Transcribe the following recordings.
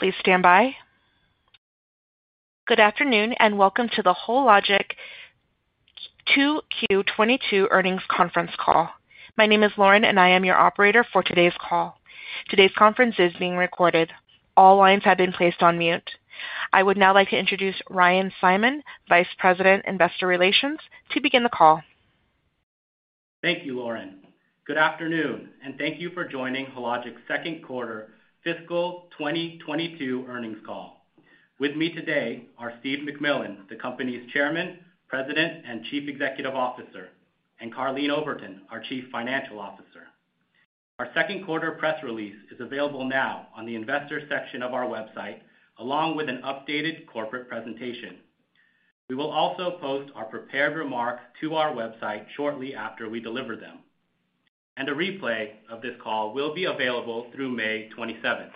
Please stand by. Good afternoon, and welcome to the Hologic 2Q22 Earnings Conference Call. My name is Lauren, and I am your operator for today's call. Today's conference is being recorded. All lines have been placed on mute. I would now like to introduce Ryan Simon, Vice President, Investor Relations, to begin the call. Thank you, Lauren. Good afternoon, and thank you for joining Hologic's second quarter fiscal 2022 earnings call. With me today are Steve MacMillan, the company's Chairman, President, and Chief Executive Officer, and Karleen Oberton, our Chief Financial Officer. Our second quarter press release is available now on the investor section of our website, along with an updated corporate presentation. We will also post our prepared remarks to our website shortly after we deliver them. A replay of this call will be available through May 27.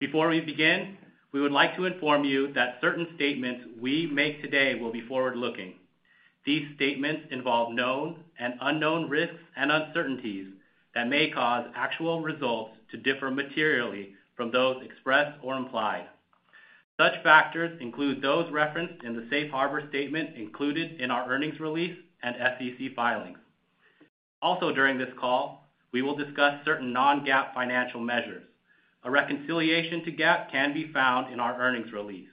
Before we begin, we would like to inform you that certain statements we make today will be forward-looking. These statements involve known and unknown risks and uncertainties that may cause actual results to differ materially from those expressed or implied. Such factors include those referenced in the safe harbor statement included in our earnings release and SEC filings. Also during this call, we will discuss certain non-GAAP financial measures. A reconciliation to GAAP can be found in our earnings release.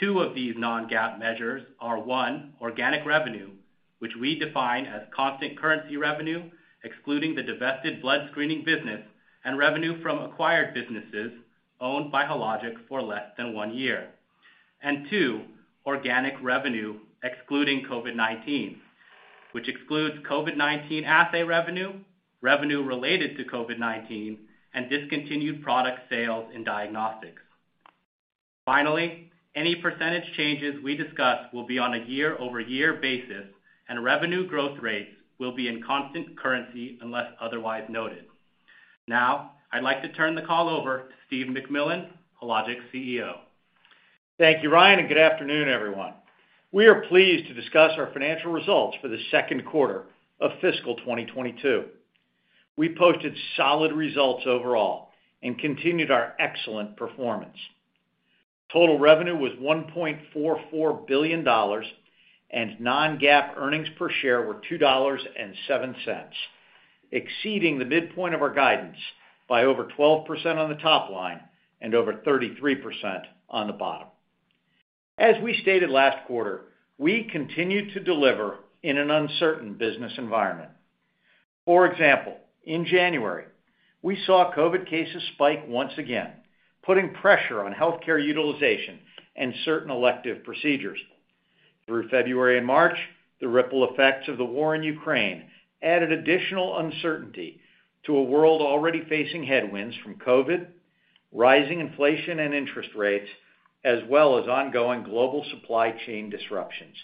Two of these non-GAAP measures are, one, organic revenue, which we define as constant currency revenue excluding the divested blood screening business and revenue from acquired businesses owned by Hologic for less than one year. And two, organic revenue excluding COVID-19, which excludes COVID-19 assay revenue related to COVID-19, and discontinued product sales in diagnostics. Finally, any percentage changes we discuss will be on a year-over-year basis, and revenue growth rates will be in constant currency unless otherwise noted. Now, I'd like to turn the call over to Steve MacMillan, Hologic's CEO. Thank you, Ryan, and good afternoon, everyone. We are pleased to discuss our financial results for the second quarter of fiscal 2022. We posted solid results overall and continued our excellent performance. Total revenue was $1.44 billion, and non-GAAP earnings per share were $2.07, exceeding the midpoint of our guidance by over 12% on the top line and over 33% on the bottom. We stated last quarter we continue to deliver in an uncertain business environment. For example, in January, we saw COVID cases spike once again, putting pressure on healthcare utilization and certain elective procedures. Through February and March, the ripple effects of the war in Ukraine added additional uncertainty to a world already facing headwinds from COVID, rising inflation and interest rates, as well as ongoing global supply chain disruptions.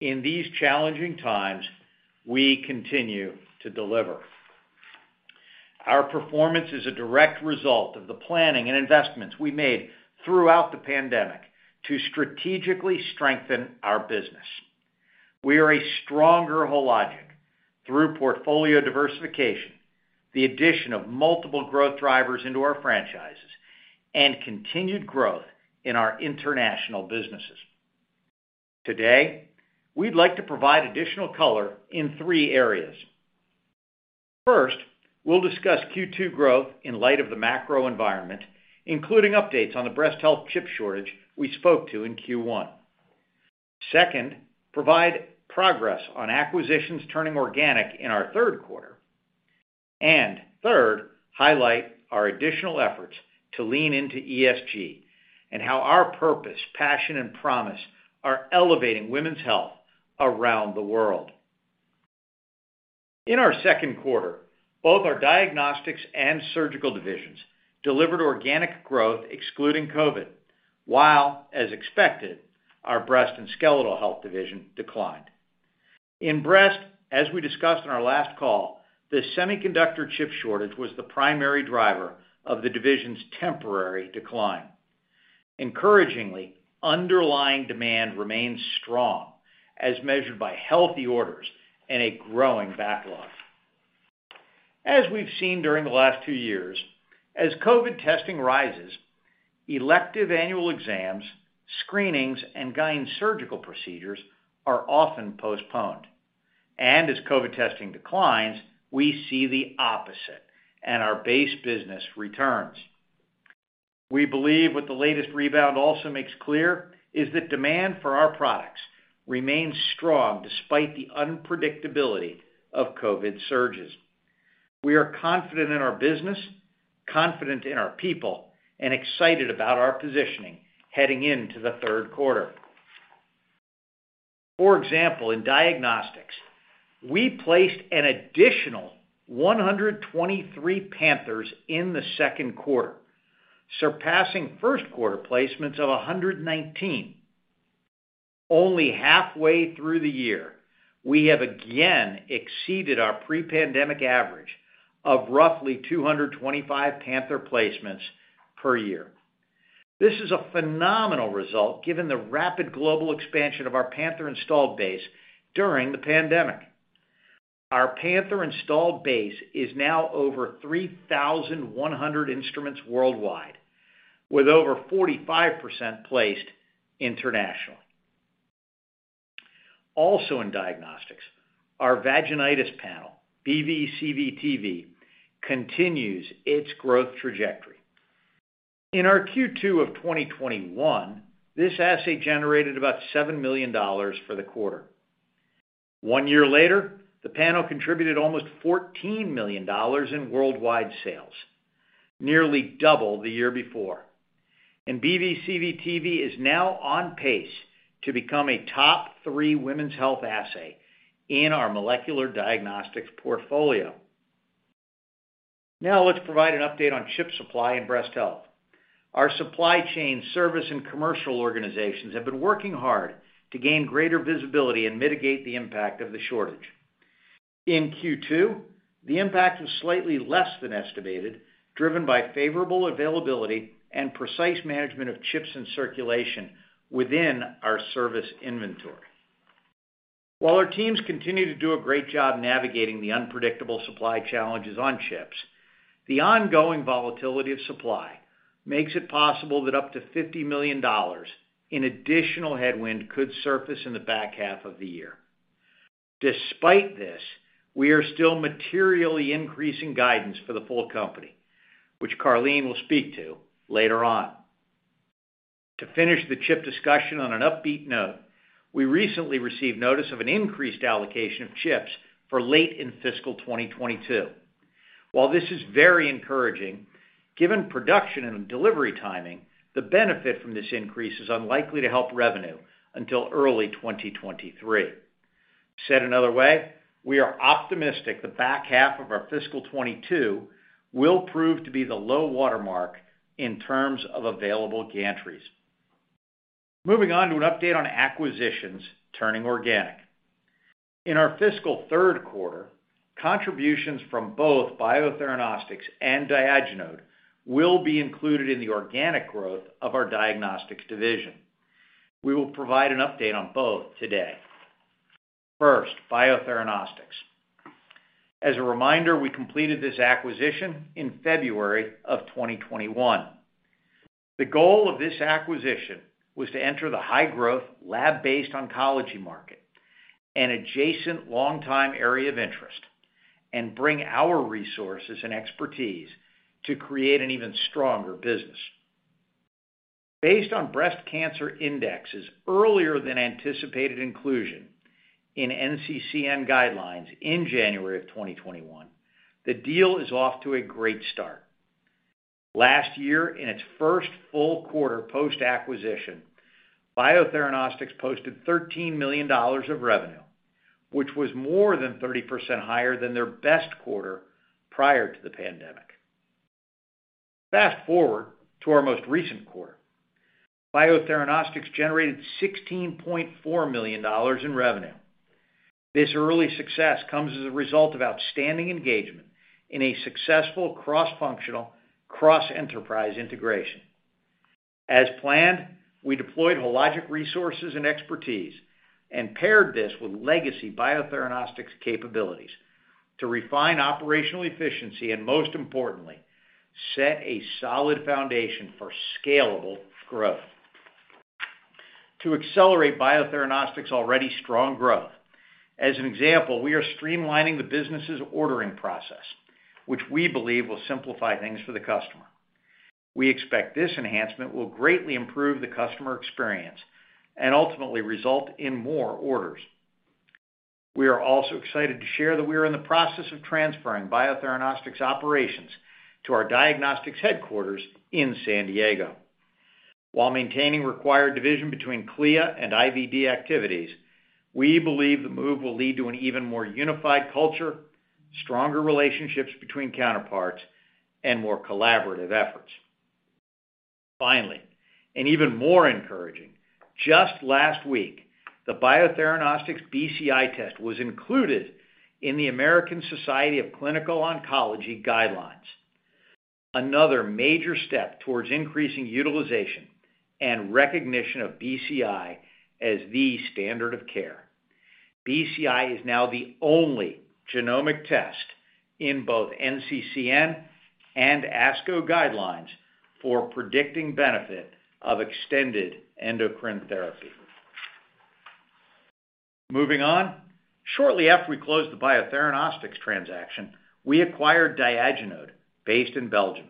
In these challenging times, we continue to deliver. Our performance is a direct result of the planning and investments we made throughout the pandemic to strategically strengthen our business. We are a stronger Hologic through portfolio diversification, the addition of multiple growth drivers into our franchises, and continued growth in our international businesses. Today, we'd like to provide additional color in three areas. First, we'll discuss Q2 growth in light of the macro environment, including updates on the breast health chip shortage we spoke to in Q1. Second, provide progress on acquisitions turning organic in our third quarter. Third, highlight our additional efforts to lean into ESG and how our purpose, passion, and promise are elevating women's health around the world. In our second quarter, both our diagnostics and surgical divisions delivered organic growth excluding COVID, while, as expected, our breast and skeletal health division declined. In breast, as we discussed on our last call, the semiconductor chip shortage was the primary driver of the division's temporary decline. Encouragingly, underlying demand remains strong, as measured by healthy orders and a growing backlog. As we've seen during the last two years, as COVID testing rises, elective annual exams, screenings, and GYN surgical procedures are often postponed. As COVID testing declines, we see the opposite and our base business returns. We believe what the latest rebound also makes clear is that demand for our products remains strong despite the unpredictability of COVID surges. We are confident in our business, confident in our people, and excited about our positioning heading into the third quarter. For example, in diagnostics, we placed an additional 123 Panthers in the second quarter, surpassing first quarter placements of 119. Only halfway through the year, we have again exceeded our pre-pandemic average of roughly 225 Panther placements per year. This is a phenomenal result given the rapid global expansion of our Panther installed base during the pandemic. Our Panther installed base is now over 3,100 instruments worldwide, with over 45% placed internationally. Also in diagnostics, our vaginitis panel, BV/CV/TV, continues its growth trajectory. In our Q2 of 2021, this assay generated about $7 million for the quarter. One year later, the panel contributed almost $14 million in worldwide sales, nearly double the year before. BV/CV/TV is now on pace to become a top three women's health assay in our molecular diagnostics portfolio. Now let's provide an update on chip supply and breast health. Our supply chain service and commercial organizations have been working hard to gain greater visibility and mitigate the impact of the shortage. In Q2, the impact was slightly less than estimated, driven by favorable availability and precise management of chips in circulation within our service inventory. While our teams continue to do a great job navigating the unpredictable supply challenges on chips, the ongoing volatility of supply makes it possible that up to $50 million in additional headwind could surface in the back half of the year. Despite this, we are still materially increasing guidance for the full company, which Karleen will speak to later on. To finish the chip discussion on an upbeat note, we recently received notice of an increased allocation of chips for late in fiscal 2022. While this is very encouraging, given production and delivery timing, the benefit from this increase is unlikely to help revenue until early 2023. Said another way, we are optimistic the back half of our fiscal 2022 will prove to be the low watermark in terms of available gantries. Moving on to an update on acquisitions turning organic. In our fiscal third quarter, contributions from both BioTheranostics and Diagenode will be included in the organic growth of our diagnostics division. We will provide an update on both today. First, BioTheranostics. As a reminder, we completed this acquisition in February of 2021. The goal of this acquisition was to enter the high-growth, lab-based oncology market, an adjacent long-time area of interest, and bring our resources and expertise to create an even stronger business. Based on Breast Cancer Index's earlier than anticipated inclusion in NCCN guidelines in January 2021, the deal is off to a great start. Last year, in its first full quarter post-acquisition, BioTheranostics posted $13 million of revenue, which was more than 30% higher than their best quarter prior to the pandemic. Fast-forward to our most recent quarter. BioTheranostics generated $16.4 million in revenue. This early success comes as a result of outstanding engagement in a successful cross-functional, cross-enterprise integration. As planned, we deployed Hologic resources and expertise and paired this with legacy BioTheranostics capabilities to refine operational efficiency and, most importantly, set a solid foundation for scalable growth. To accelerate BioTheranostics' already strong growth, as an example, we are streamlining the business's ordering process, which we believe will simplify things for the customer. We expect this enhancement will greatly improve the customer experience and ultimately result in more orders. We are also excited to share that we are in the process of transferring BioTheranostics operations to our diagnostics headquarters in San Diego. While maintaining required division between CLIA and IVD activities, we believe the move will lead to an even more unified culture, stronger relationships between counterparts, and more collaborative efforts. Finally, and even more encouraging, just last week, the BioTheranostics BCI test was included in the American Society of Clinical Oncology guidelines. Another major step towards increasing utilization and recognition of BCI as the standard of care. BCI is now the only genomic test in both NCCN and ASCO guidelines for predicting benefit of extended endocrine therapy. Moving on. Shortly after we closed the BioTheranostics transaction, we acquired Diagenode, based in Belgium.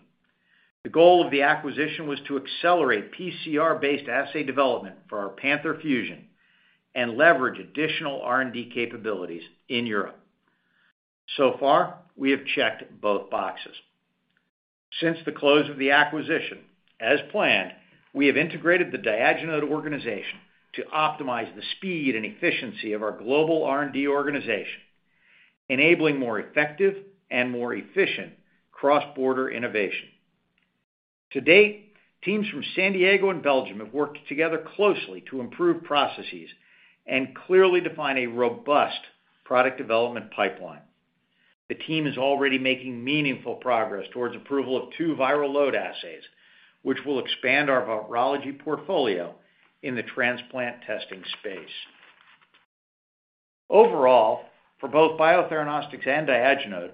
The goal of the acquisition was to accelerate PCR-based assay development for our Panther Fusion and leverage additional R&D capabilities in Europe. So far, we have checked both boxes. Since the close of the acquisition, as planned, we have integrated the Diagenode organization to optimize the speed and efficiency of our global R&D organization, enabling more effective and more efficient cross-border innovation. To date, teams from San Diego and Belgium have worked together closely to improve processes and clearly define a robust product development pipeline. The team is already making meaningful progress towards approval of two viral load assays, which will expand our virology portfolio in the transplant testing space. Overall, for both BioTheranostics and Diagenode,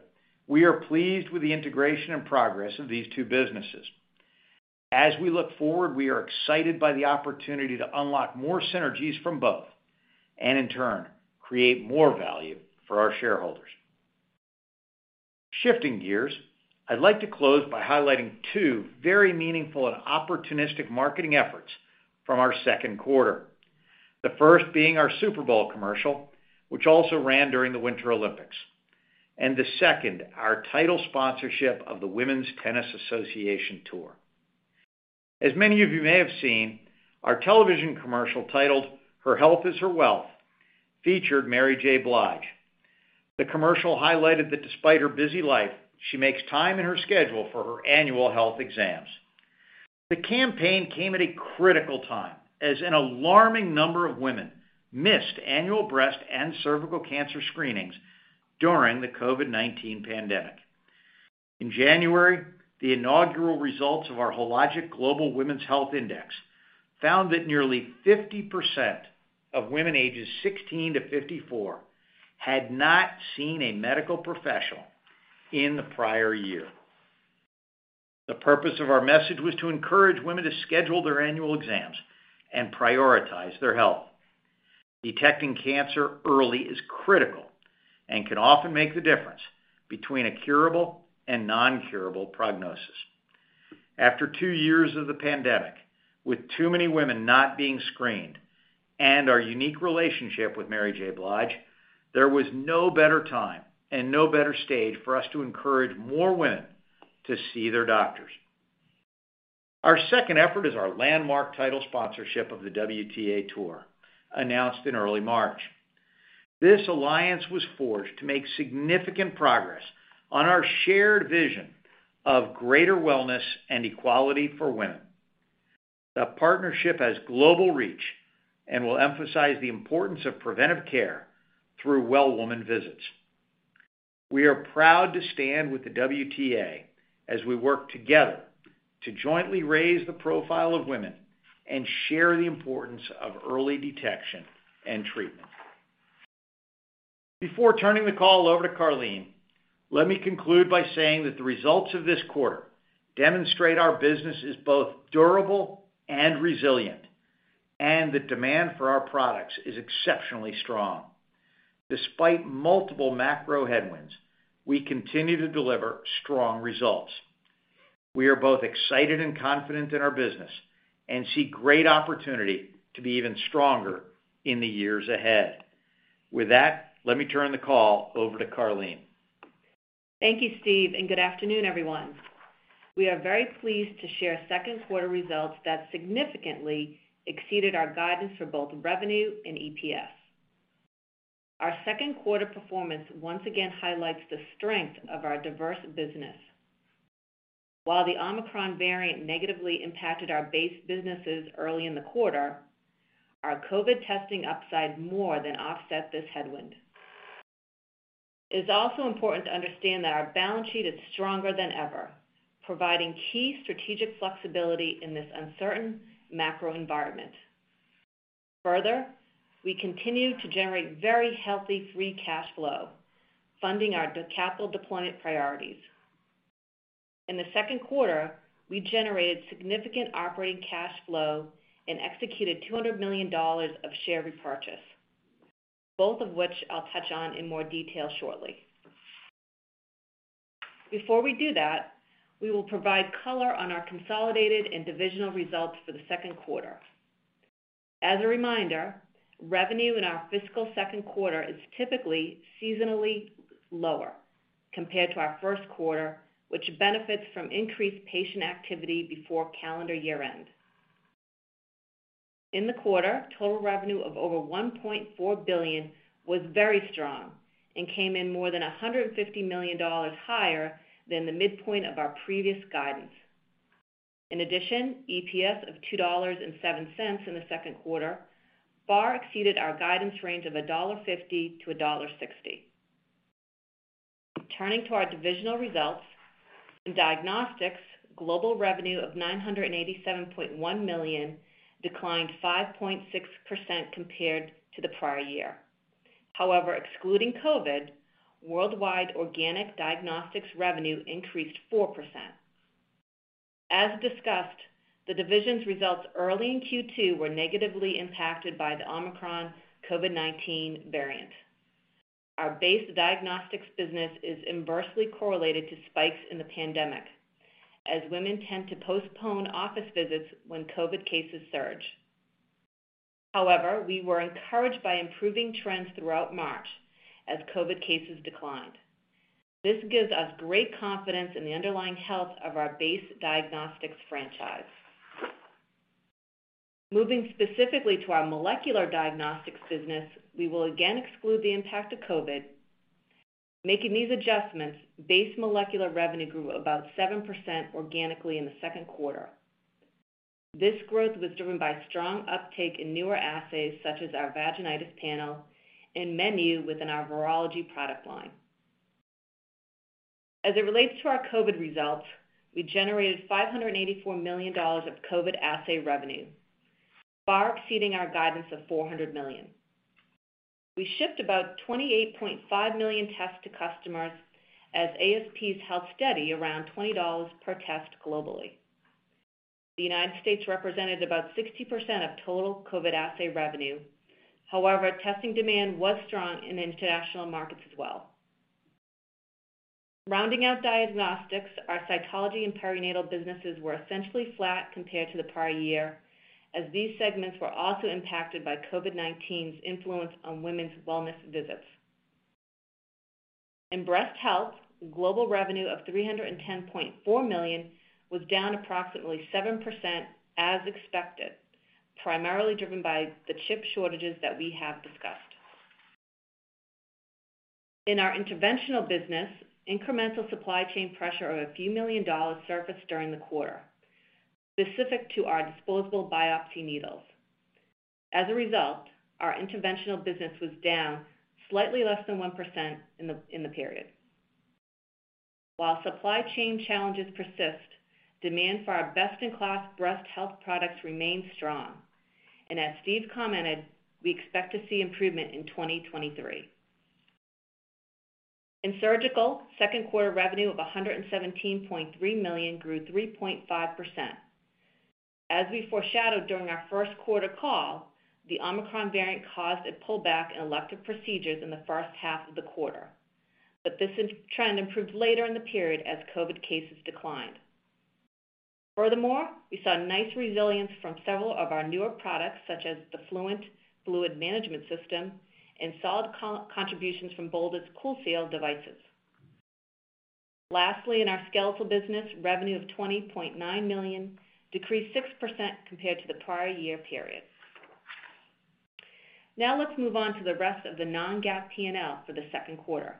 we are pleased with the integration and progress of these two businesses. As we look forward, we are excited by the opportunity to unlock more synergies from both and in turn, create more value for our shareholders. Shifting gears, I'd like to close by highlighting two very meaningful and opportunistic marketing efforts from our second quarter. The first being our Super Bowl commercial, which also ran during the Winter Olympics, and the second, our title sponsorship of the Women's Tennis Association tour. As many of you may have seen, our television commercial titled Her Health Is Her Wealth, featured Mary J. Blige. The commercial highlighted that despite her busy life, she makes time in her schedule for her annual health exams. The campaign came at a critical time as an alarming number of women missed annual breast and cervical cancer screenings during the COVID-19 pandemic. In January, the inaugural results of our Hologic Global Women's Health Index found that nearly 50% of women ages 16 to 54 had not seen a medical professional in the prior year. The purpose of our message was to encourage women to schedule their annual exams and prioritize their health. Detecting cancer early is critical and can often make the difference between a curable and non-curable prognosis. After two years of the pandemic, with too many women not being screened and our unique relationship with Mary J. Blige, there was no better time and no better stage for us to encourage more women to see their doctors. Our second effort is our landmark title sponsorship of the WTA Tour, announced in early March. This alliance was forged to make significant progress on our shared vision of greater wellness and equality for women. The partnership has global reach and will emphasize the importance of preventive care through well-woman visits. We are proud to stand with the WTA as we work together to jointly raise the profile of women and share the importance of early detection and treatment. Before turning the call over to Karleen, let me conclude by saying that the results of this quarter demonstrate our business is both durable and resilient, and the demand for our products is exceptionally strong. Despite multiple macro headwinds, we continue to deliver strong results. We are both excited and confident in our business and see great opportunity to be even stronger in the years ahead. With that, let me turn the call over to Karleen. Thank you, Steve, and good afternoon, everyone. We are very pleased to share second quarter results that significantly exceeded our guidance for both revenue and EPS. Our second quarter performance once again highlights the strength of our diverse business. While the Omicron variant negatively impacted our base businesses early in the quarter, our COVID testing upside more than offset this headwind. It is also important to understand that our balance sheet is stronger than ever, providing key strategic flexibility in this uncertain macro environment. Further, we continue to generate very healthy free cash flow, funding our debt and capital deployment priorities. In the second quarter, we generated significant operating cash flow and executed $200 million of share repurchase, both of which I'll touch on in more detail shortly. Before we do that, we will provide color on our consolidated and divisional results for the second quarter. As a reminder, revenue in our fiscal second quarter is typically seasonally lower compared to our first quarter, which benefits from increased patient activity before calendar year-end. In the quarter, total revenue of over $1.4 billion was very strong and came in more than $150 million higher than the midpoint of our previous guidance. In addition, EPS of $2.07 in the second quarter far exceeded our guidance range of $1.50-$1.60. Turning to our divisional results. In diagnostics, global revenue of $987.1 million declined 5.6% compared to the prior year. However, excluding COVID, worldwide organic diagnostics revenue increased 4%. As discussed, the division's results early in Q2 were negatively impacted by the Omicron COVID-19 variant. Our base diagnostics business is inversely correlated to spikes in the pandemic, as women tend to postpone office visits when COVID cases surge. However, we were encouraged by improving trends throughout March as COVID cases declined. This gives us great confidence in the underlying health of our base diagnostics franchise. Moving specifically to our molecular diagnostics business, we will again exclude the impact of COVID. Making these adjustments, base molecular revenue grew about 7% organically in the second quarter. This growth was driven by strong uptake in newer assays such as our vaginitis panel and menu within our virology product line. As it relates to our COVID results, we generated $584 million of COVID assay revenue, far exceeding our guidance of $400 million. We shipped about 28.5 million tests to customers as ASPs held steady around $20 per test globally. The United States represented about 60% of total COVID assay revenue. However, testing demand was strong in international markets as well. Rounding out diagnostics, our cytology and perinatal businesses were essentially flat compared to the prior year, as these segments were also impacted by COVID-19's influence on women's wellness visits. In breast health, global revenue of $310.4 million was down approximately 7% as expected, primarily driven by the chip shortages that we have discussed. In our interventional business, incremental supply chain pressure of a few million dollars surfaced during the quarter, specific to our disposable biopsy needles. As a result, our interventional business was down slightly less than 1% in the period. While supply chain challenges persist, demand for our best-in-class breast health products remains strong. As Steve commented, we expect to see improvement in 2023. In surgical, second quarter revenue of $117.3 million grew 3.5%. As we foreshadowed during our first quarter call, the Omicron variant caused a pullback in elective procedures in the first half of the quarter. This trend improved later in the period as COVID cases declined. Furthermore, we saw nice resilience from several of our newer products, such as the Fluent Fluid Management System and solid co-contributions from Bolder's CoolSeal devices. Lastly, in our skeletal business, revenue of $20.9 million decreased 6% compared to the prior year period. Now let's move on to the rest of the non-GAAP P&L for the second quarter.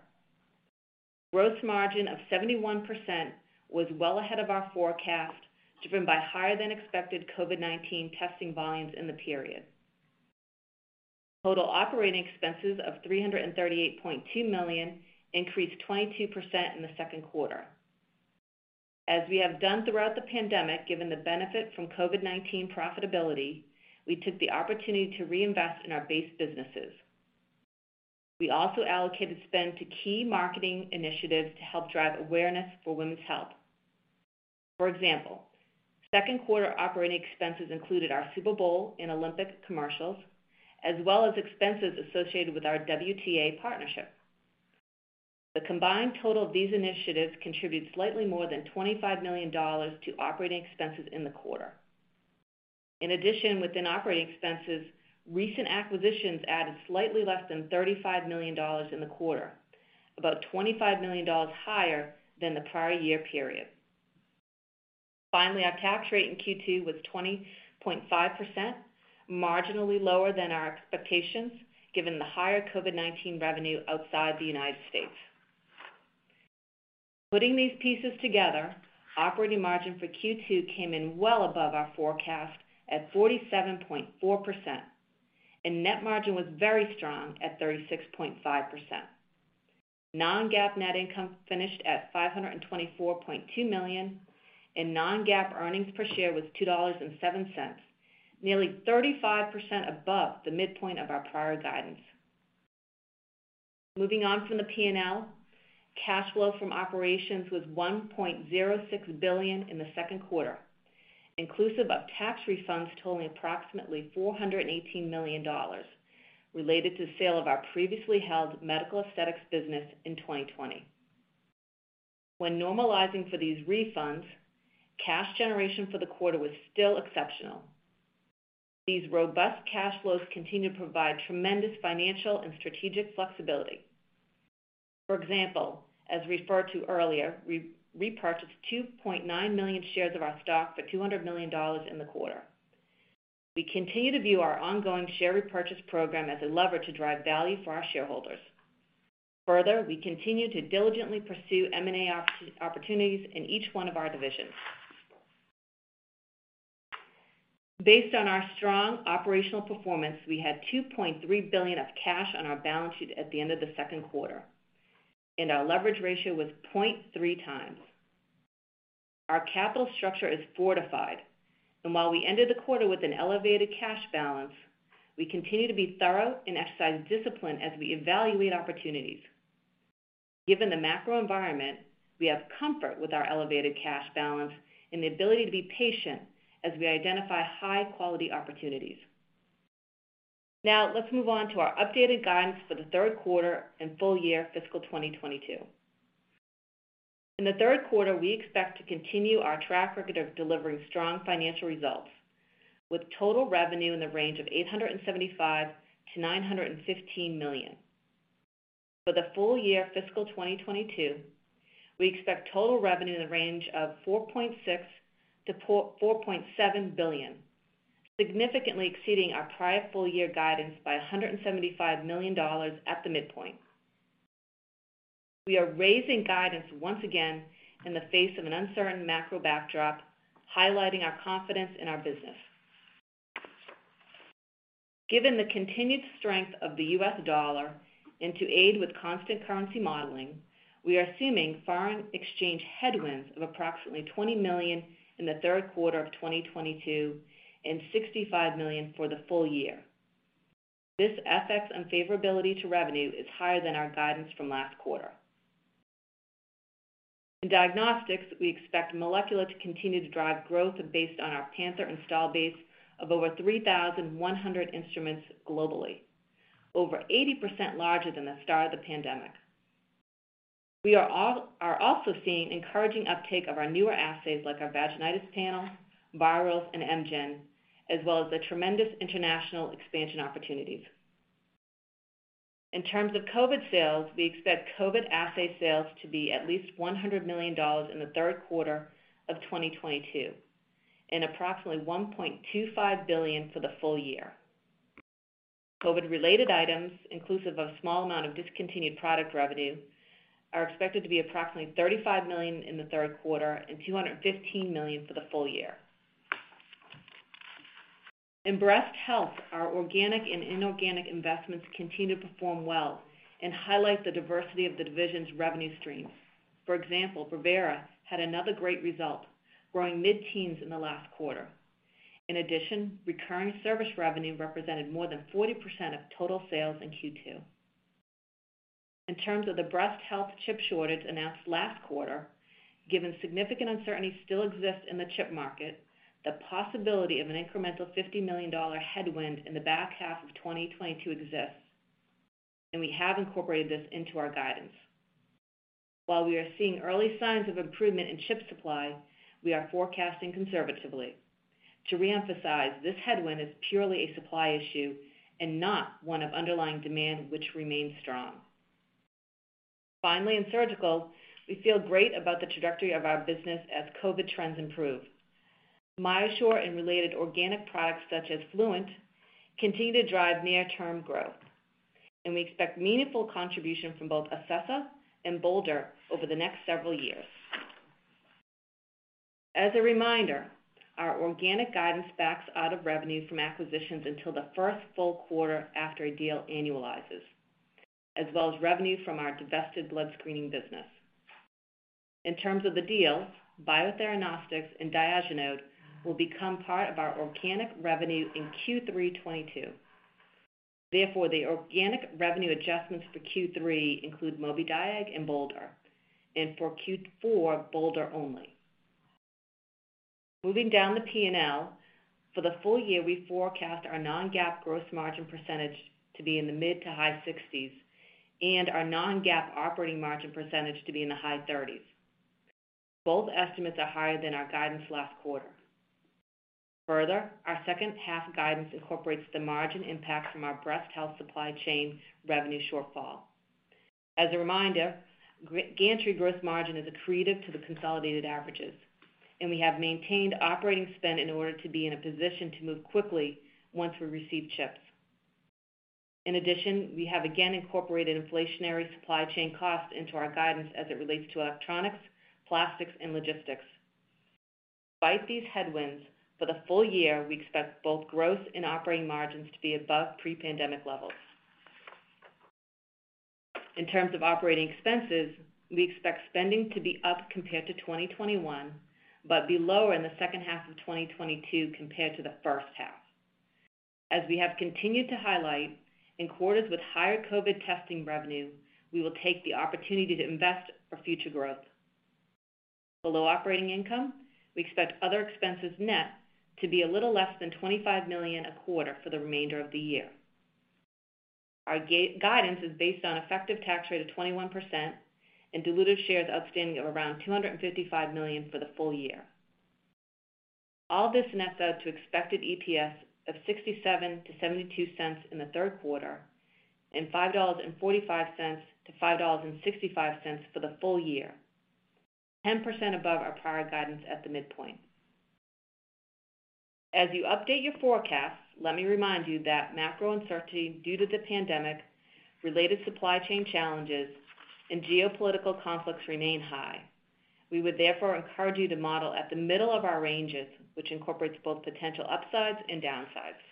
Gross margin of 71% was well ahead of our forecast, driven by higher than expected COVID-19 testing volumes in the period. Total operating expenses of $338.2 million increased 22% in the second quarter. As we have done throughout the pandemic, given the benefit from COVID-19 profitability, we took the opportunity to reinvest in our base businesses. We also allocated spend to key marketing initiatives to help drive awareness for women's health. For example, second quarter operating expenses included our Super Bowl and Olympic commercials, as well as expenses associated with our WTA partnership. The combined total of these initiatives contribute slightly more than $25 million to operating expenses in the quarter. In addition, within operating expenses, recent acquisitions added slightly less than $35 million in the quarter, about $25 million higher than the prior year period. Finally, our tax rate in Q2 was 20.5%, marginally lower than our expectations, given the higher COVID-19 revenue outside the United States. Putting these pieces together, operating margin for Q2 came in well above our forecast at 47.4%, and net margin was very strong at 36.5%. Non-GAAP net income finished at $524.2 million, and non-GAAP earnings per share was $2.07, nearly 35 above the midpoint of our prior guidance. Moving on from the P&L, cash flow from operations was $1.06 billion in the second quarter, inclusive of tax refunds totaling approximately $418 million related to the sale of our previously held medical aesthetics business in 2020. When normalizing for these refunds, cash generation for the quarter was still exceptional. These robust cash flows continue to provide tremendous financial and strategic flexibility. For example, as referred to earlier, we repurchased 2.9 million shares of our stock for $200 million in the quarter. We continue to view our ongoing share repurchase program as a lever to drive value for our shareholders. Further, we continue to diligently pursue M&A opportunities in each one of our divisions. Based on our strong operational performance, we had $2.3 billion of cash on our balance sheet at the end of the second quarter, and our leverage ratio was 0.3x. Our capital structure is fortified, and while we ended the quarter with an elevated cash balance, we continue to be thorough and exercise discipline as we evaluate opportunities. Given the macro environment, we have comfort with our elevated cash balance and the ability to be patient as we identify high-quality opportunities. Now, let's move on to our updated guidance for the third quarter and full year fiscal 2022. In the third quarter, we expect to continue our track record of delivering strong financial results with total revenue in the range of $875 million-$915 million. For the full year fiscal 2022, we expect total revenue in the range of $4.6 billion-$4.7 billion, significantly exceeding our prior full year guidance by $175 million at the midpoint. We are raising guidance once again in the face of an uncertain macro backdrop, highlighting our confidence in our business. Given the continued strength of the US dollar and to aid with constant currency modeling, we are assuming foreign exchange headwinds of approximately $20 million in the third quarter of 2022 and $65 million for the full year. This FX unfavorability to revenue is higher than our guidance from last quarter. In diagnostics, we expect Molecular to continue to drive growth based on our Panther install base of over 3,100 instruments globally, over 80% larger than the start of the pandemic. We are also seeing encouraging uptake of our newer assays like our vaginitis panel, virals, and MGen, as well as the tremendous international expansion opportunities. In terms of COVID sales, we expect COVID assay sales to be at least $100 million in the third quarter of 2022 and approximately $1.25 billion for the full year. COVID-related items, inclusive of a small amount of discontinued product revenue, are expected to be approximately $35 million in the third quarter and $215 million for the full year. In breast health, our organic and inorganic investments continue to perform well and highlight the diversity of the division's revenue streams. For example, Brevera had another great result, growing mid-teens in the last quarter. In addition, recurring service revenue represented more than 40% of total sales in Q2. In terms of the breast health chip shortage announced last quarter, given significant uncertainty still exists in the chip market, the possibility of an incremental $50 million headwind in the back half of 2022 exists, and we have incorporated this into our guidance. While we are seeing early signs of improvement in chip supply, we are forecasting conservatively. To reemphasize, this headwind is purely a supply issue and not one of underlying demand, which remains strong. Finally, in surgical, we feel great about the trajectory of our business as COVID trends improve. MyoSure and related organic products such as Fluent continue to drive near-term growth, and we expect meaningful contribution from both Acessa and Bolder over the next several years. As a reminder, our organic guidance backs out of revenue from acquisitions until the first full quarter after a deal annualizes, as well as revenue from our divested blood screening business. In terms of the deal, BioTheranostics and Diagenode will become part of our organic revenue in Q3 2022. Therefore, the organic revenue adjustments for Q3 include Mobidiag and Bolder, and for Q4, Bolder only. Moving down the P&L, for the full year, we forecast our non-GAAP gross margin percentage to be in the mid- to high-60s% and our non-GAAP operating margin percentage to be in the high-30s%. Both estimates are higher than our guidance last quarter. Further, our second half guidance incorporates the margin impact from our breast health supply chain revenue shortfall. As a reminder, Gantry gross margin is accretive to the consolidated averages, and we have maintained operating spend in order to be in a position to move quickly once we receive chips. In addition, we have again incorporated inflationary supply chain costs into our guidance as it relates to electronics, plastics, and logistics. Despite these headwinds, for the full year, we expect both growth and operating margins to be above pre-pandemic levels. In terms of operating expenses, we expect spending to be up compared to 2021 but be lower in the second half of 2022 compared to the first half. As we have continued to highlight, in quarters with higher COVID testing revenue, we will take the opportunity to invest for future growth. Below operating income, we expect other expenses net to be a little less than $25 million a quarter for the remainder of the year. Our guidance is based on effective tax rate of 21% and diluted shares outstanding of around 255 million for the full year. All this nets out to expected EPS of $0.67-$0.72 in the third quarter and $5.45-$5.65 for the full year, 10% above our prior guidance at the midpoint. As you update your forecasts, let me remind you that macro uncertainty due to the pandemic, related supply chain challenges, and geopolitical conflicts remain high. We would therefore encourage you to model at the middle of our ranges, which incorporates both potential upsides and downsides.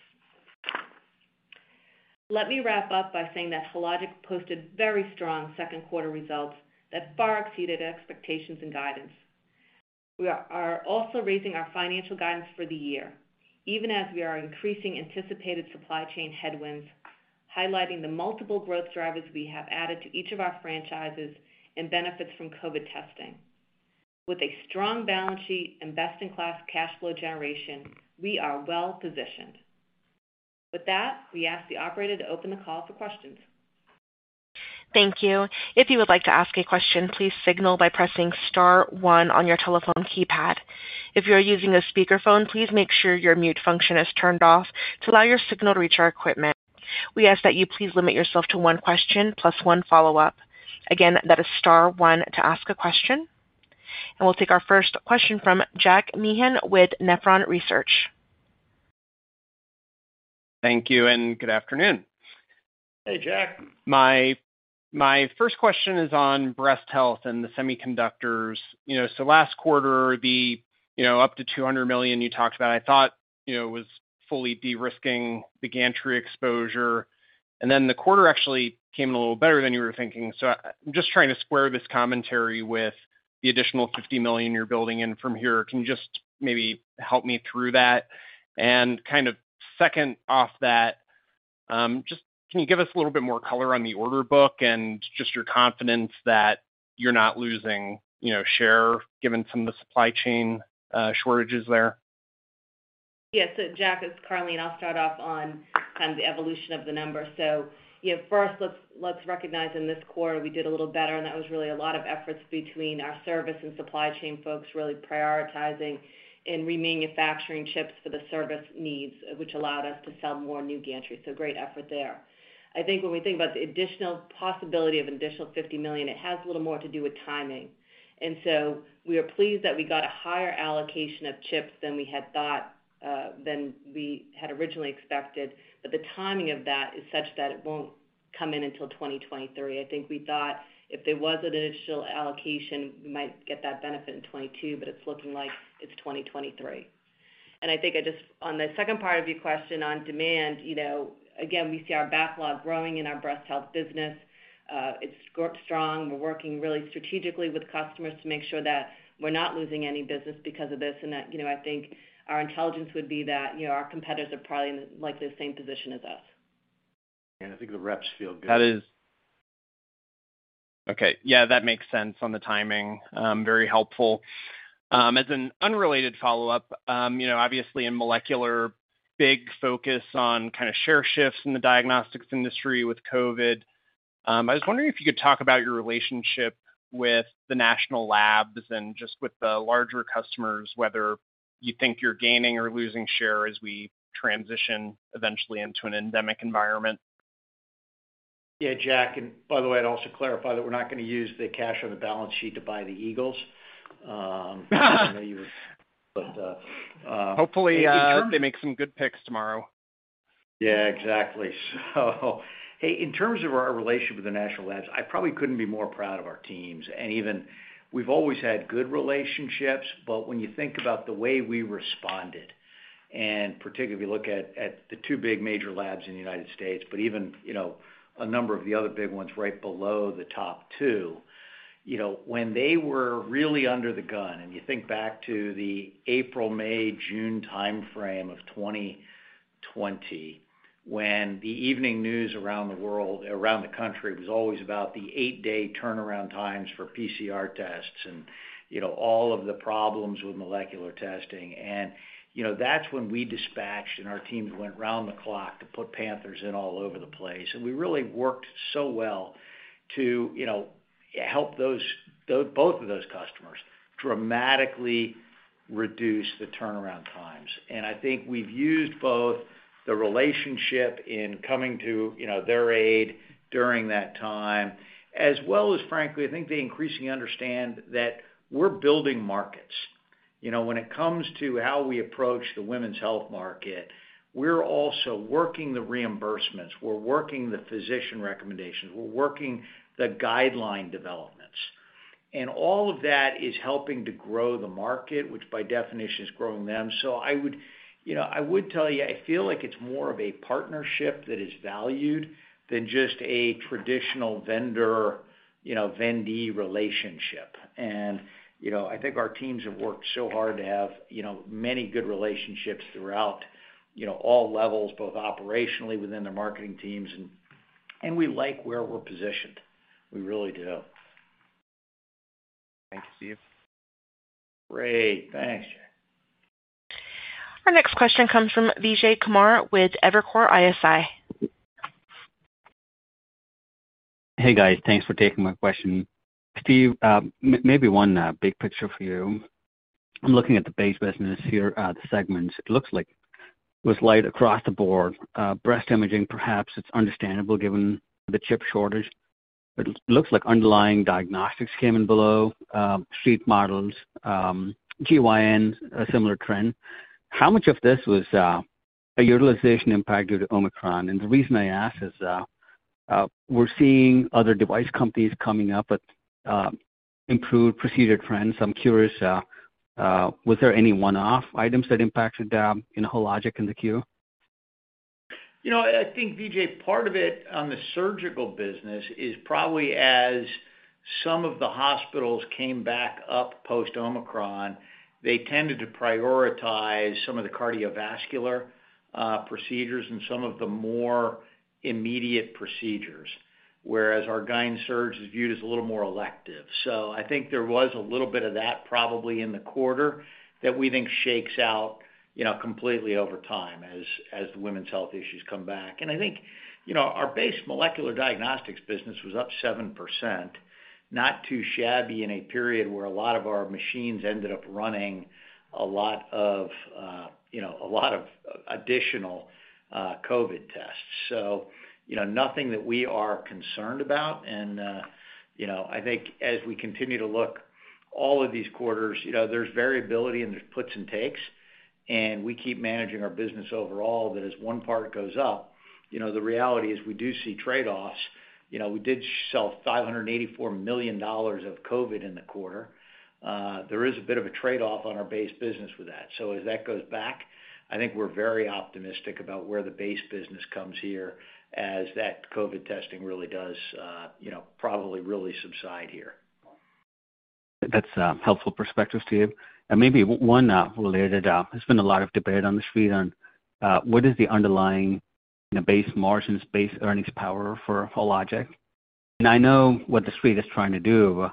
Let me wrap up by saying that Hologic posted very strong second quarter results that far exceeded expectations and guidance. We are also raising our financial guidance for the year, even as we are increasing anticipated supply chain headwinds, highlighting the multiple growth drivers we have added to each of our franchises and benefits from COVID testing. With a strong balance sheet and best-in-class cash flow generation, we are well positioned. With that, we ask the operator to open the call for questions. Thank you. If you would like to ask a question, please signal by pressing star one on your telephone keypad. If you are using a speakerphone, please make sure your mute function is turned off to allow your signal to reach our equipment. We ask that you please limit yourself to one question plus one follow-up. Again, that is star one to ask a question. We'll take our first question from Jack Meehan with Nephron Research. Thank you, and good afternoon. Hey, Jack. My first question is on breast health and the semiconductors. You know, last quarter, the, you know, up to $200 million you talked about, I thought, you know, was fully de-risking the gantry exposure. Then the quarter actually came in a little better than you were thinking. I'm just trying to square this commentary with the additional $50 million you're building in from here. Can you just maybe help me through that? Kind of second off that, just can you give us a little bit more color on the order book and just your confidence that you're not losing, you know, share given some of the supply chain shortages there? Yeah. Jack, it's Karleen. I'll start off on kind of the evolution of the number. You know, first, let's recognize in this quarter we did a little better, and that was really a lot of efforts between our service and supply chain folks really prioritizing and remanufacturing chips for the service needs, which allowed us to sell more new gantries. Great effort there. I think when we think about the additional possibility of an additional $50 million, it has a little more to do with timing. We are pleased that we got a higher allocation of chips than we had thought, than we had originally expected. But the timing of that is such that it won't come in until 2023. I think we thought if there was an additional allocation, we might get that benefit in 2022, but it's looking like it's 2023. On the second part of your question on demand, you know, again, we see our backlog growing in our breast health business. It's super strong. We're working really strategically with customers to make sure that we're not losing any business because of this, and that, you know, I think our intelligence would be that, you know, our competitors are probably in the same position as us. I think the reps feel good. Okay. Yeah, that makes sense on the timing. Very helpful. As an unrelated follow-up, you know, obviously in molecular, big focus on kind of share shifts in the diagnostics industry with COVID. I was wondering if you could talk about your relationship with the national labs and just with the larger customers, whether you think you're gaining or losing share as we transition eventually into an endemic environment. Yeah, Jack. By the way, I'd also clarify that we're not gonna use the cash on the balance sheet to buy the Eagles. I know you were, but, Hopefully, they make some good picks tomorrow. Yeah, exactly. Hey, in terms of our relationship with the national labs, I probably couldn't be more proud of our teams. Even we've always had good relationships, but when you think about the way we responded, and particularly if you look at the two big major labs in the United States, but even, you know, a number of the other big ones right below the top two, you know, when they were really under the gun, and you think back to the April, May, June timeframe of 2020, when the evening news around the world, around the country was always about the eight-day turnaround times for PCR tests and, you know, all of the problems with molecular testing. You know, that's when we dispatched and our teams went round the clock to put Panthers in all over the place. We really worked so well to, you know, help both of those customers dramatically reduce the turnaround times. I think we've used both the relationship in coming to, you know, their aid during that time, as well as frankly, I think they increasingly understand that we're building markets. You know, when it comes to how we approach the women's health market, we're also working the reimbursements, we're working the physician recommendations, we're working the guideline developments. All of that is helping to grow the market, which by definition is growing them. I would tell you, I feel like it's more of a partnership that is valued than just a traditional vendor, you know, vendee relationship. you know, I think our teams have worked so hard to have, you know, many good relationships throughout, you know, all levels, both operationally within their marketing teams and we like where we're positioned. We really do. Thank you, Steve. Great. Thanks. Our next question comes from Vijay Kumar with Evercore ISI. Hey, guys. Thanks for taking my question. Steve, maybe one big picture for you. I'm looking at the base business here, the segments. It looks like it was light across the board. Breast imaging, perhaps it's understandable given the chip shortage, but it looks like underlying diagnostics came in below Street models. GYN, a similar trend. How much of this was a utilization impact due to Omicron? The reason I ask is, we're seeing other device companies coming up with improved procedure trends. I'm curious, was there any one-off items that impacted you know, Hologic in the Q? You know, I think, Vijay, part of it on the surgical business is probably as some of the hospitals came back up post Omicron, they tended to prioritize some of the cardiovascular procedures and some of the more immediate procedures, whereas our GYN surge is viewed as a little more elective. I think there was a little bit of that probably in the quarter that we think shakes out, you know, completely over time as the women's health issues come back. I think, you know, our base molecular diagnostics business was up 7%, not too shabby in a period where a lot of our machines ended up running a lot of, you know, additional COVID tests. You know, nothing that we are concerned about. You know, I think as we continue to look all of these quarters, you know, there's variability and there's puts and takes, and we keep managing our business overall that as one part goes up. You know, the reality is we do see trade-offs. You know, we did sell $584 million of COVID in the quarter. There is a bit of a trade-off on our base business with that. As that goes back, I think we're very optimistic about where the base business comes here as that COVID testing really does, you know, probably really subside here. That's helpful perspective, Steve. Maybe one related, there's been a lot of debate on The Street on what is the underlying base margin, base earnings power for Hologic? I know what The Street is trying to do.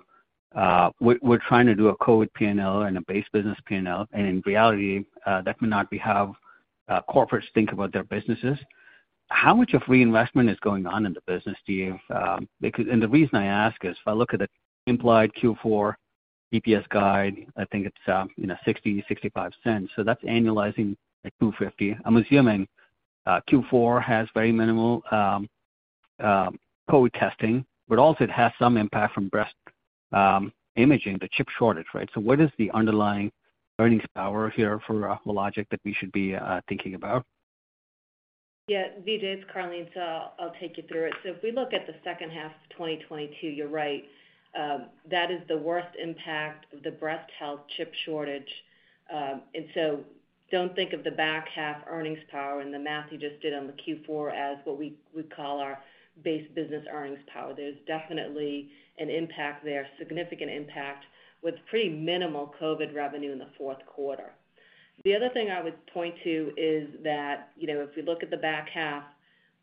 We're trying to do a COVID P&L and a base business P&L, and in reality, that may not be how corporates think about their businesses. How much of reinvestment is going on in the business, do you? Because the reason I ask is, if I look at the implied Q4 EPS guide, I think it's, you know, $0.60-$0.65. So that's annualizing at $2.50. I'm assuming Q4 has very minimal COVID testing, but also it has some impact from breast imaging, the chip shortage, right? What is the underlying earnings power here for Hologic that we should be thinking about? Yeah, Vijay, it's Karleen. I'll take you through it. If we look at the second half of 2022, you're right, that is the worst impact of the breast health chip shortage. Don't think of the back half earnings power and the math you just did on the Q4 as what we call our base business earnings power. There's definitely an impact there, significant impact, with pretty minimal COVID revenue in the fourth quarter. The other thing I would point to is that, you know, if we look at the back half,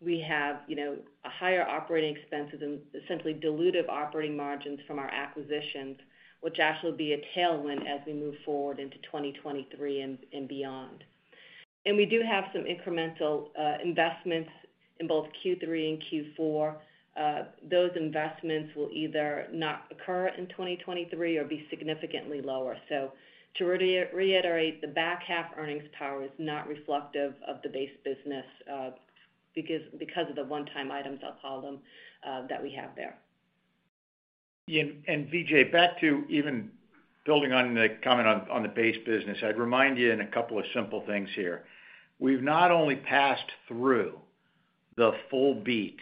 we have, you know, a higher operating expenses and simply dilutive operating margins from our acquisitions, which actually will be a tailwind as we move forward into 2023 and beyond. We do have some incremental investments in both Q3 and Q4. Those investments will either not occur in 2023 or be significantly lower. To reiterate, the back half earnings power is not reflective of the base business, because of the one-time items, I'll call them, that we have there. Yeah. Vijay, back to even building on the comment on the base business, I'd remind you in a couple of simple things here. We've not only passed through the full beat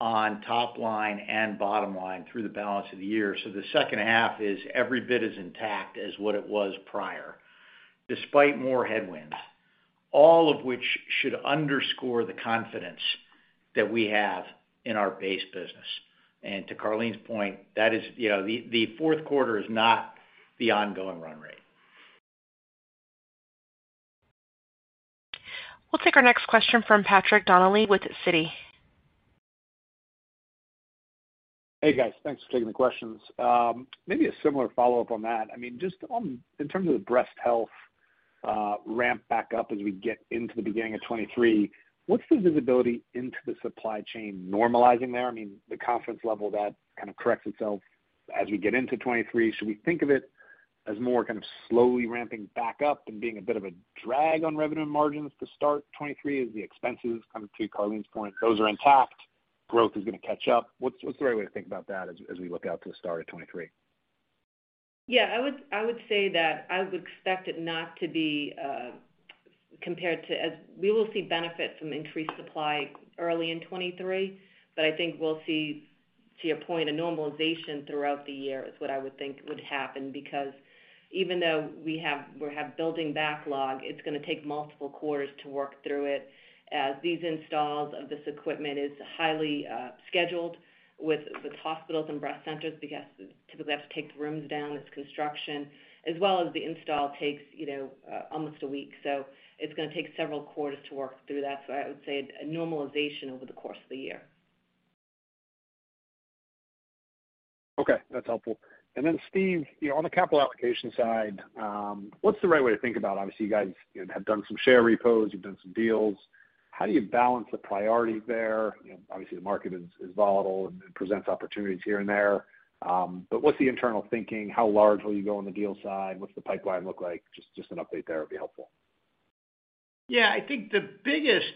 on top line and bottom line through the balance of the year. The second half is every bit as intact as what it was prior, despite more headwinds, all of which should underscore the confidence that we have in our base business. To Karleen's point, that is, you know, the fourth quarter is not the ongoing run rate. We'll take our next question from Patrick Donnelly with Citi. Hey, guys. Thanks for taking the questions. Maybe a similar follow-up on that. I mean, just on in terms of the breast health ramp back up as we get into the beginning of 2023, what's the visibility into the supply chain normalizing there? I mean, the confidence level that kind of corrects itself as we get into 2023. Should we think of it as more kind of slowly ramping back up and being a bit of a drag on revenue margins to start 2023 as the expenses come to Karleen's point, those are intact, growth is going to catch up. What's the right way to think about that as we look out to the start of 2023? I would say that I would expect it not to be we will see benefit from increased supply early in 2023, but I think we'll see, to your point, a normalization throughout the year is what I would think would happen. Because even though we have building backlog, it's going to take multiple quarters to work through it as these installs of this equipment is highly scheduled with hospitals and breast centers because they typically have to take the rooms down, it's construction, as well as the install takes, you know, almost a week. It's going to take several quarters to work through that. I would say a normalization over the course of the year. Okay, that's helpful. Steve, you know, on the capital allocation side, what's the right way to think about it? Obviously, you guys, you know, have done some share repos, you've done some deals. How do you balance the priorities there? You know, obviously, the market is volatile and presents opportunities here and there. What's the internal thinking? How large will you go on the deal side? What's the pipeline look like? Just an update there would be helpful. Yeah, I think the biggest